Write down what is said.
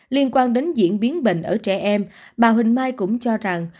liên quan đến diễn biến bệnh ở trẻ em bà huỳnh mai cũng cho rằng